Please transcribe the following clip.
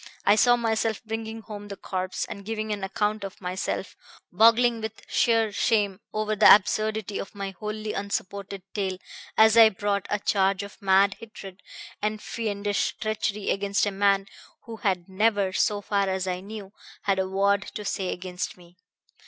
I saw myself bringing home the corpse and giving an account of myself, boggling with sheer shame over the absurdity of my wholly unsupported tale as I brought a charge of mad hatred and fiendish treachery against a man who had never, so far as I knew, had a word to say against me.